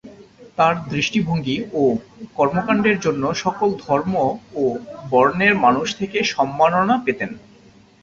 তার দৃষ্টিভঙ্গি ও কর্মকান্ডের জন্য সকল ধর্ম ও বর্ণের মানুষ থেকে সম্মাননা পেতেন।